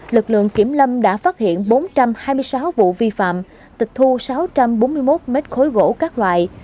lực lượng kiểm lâm đã phát hiện bốn trăm hai mươi sáu vụ vi phạm tịch thu sáu trăm bốn mươi một mét khối gỗ các loại